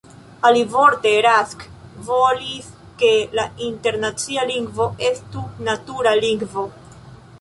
Alivorte, Rask volis ke la internacia lingvo estu natura lingvo.